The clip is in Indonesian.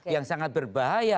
yang sangat berbahaya